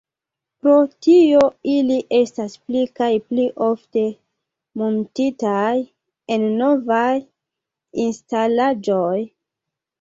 Pro tio ili estas pli kaj pli ofte muntitaj en novaj instalaĵoj.